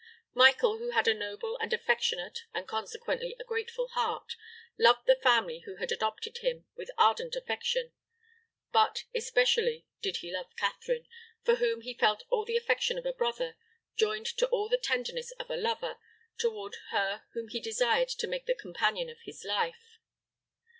Michael, who had a noble and affectionate, and consequently a grateful heart, loved the family who had adopted him with ardent affection; but especially did he love Catherine, for whom he felt all the affection of a brother, joined to all the tenderness of a lover toward her whom he desired to make the companion of his life.